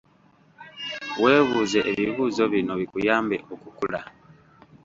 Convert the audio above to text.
Weebuuze ebibuuzo bino bikuyambe okukula.